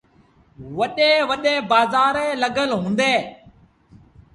وڏيݩ وٚڏيݩ بآزآريٚݩ لڳل هُݩديٚݩ۔